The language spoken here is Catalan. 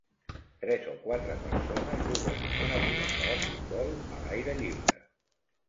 Tres o quatre persones juguen amb una pilota de futbol a l'aire lliure.